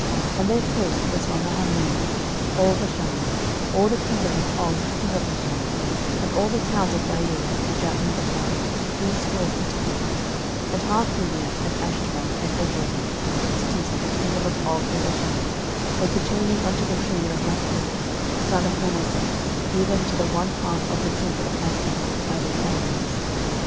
06:013:030 And their coast was from Mahanaim, all Bashan, all the kingdom of Og king of Bashan, and all the towns of Jair, which are in Bashan, threescore cities: 06:013:031 And half Gilead, and Ashtaroth, and Edrei, cities of the kingdom of Og in Bashan, were pertaining unto the children of Machir the son of Manasseh, even to the one half of the children of Machir by their families.